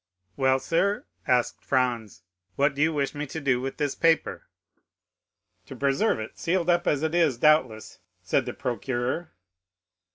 "Well, sir," asked Franz, "what do you wish me to do with this paper?" "To preserve it, sealed up as it is, doubtless," said the procureur.